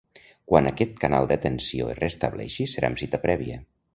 Quan aquest canal d'atenció es restableixi, serà amb cita prèvia.